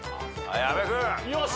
阿部君。